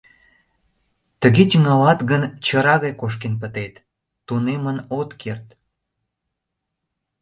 Тыге тӱҥалат гын, чыра гай кошкен пытет, тунемын от керт.